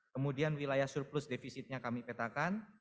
kemudian wilayah surplus defisitnya kami petakan